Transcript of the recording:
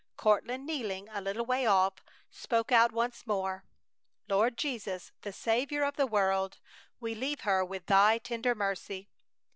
Courtland, kneeling a little way off, spoke out once more: "Lord Jesus, the Saviour of the world, we leave her with Thy tender mercy!"